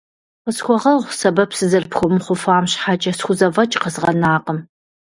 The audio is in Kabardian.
Къысхуэгъэгъу сэбэп сызэрыпхуэмыхъуфам щхьэкӏэ, схузэфӏэкӏ къэзгъэнакъым.